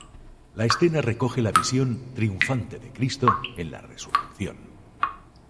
La escena recoge la visión triunfante de Cristo en la resurrección.